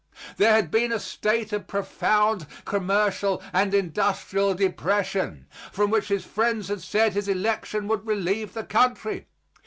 There had been a state of profound commercial and industrial depression from which his friends had said his election would relieve the country.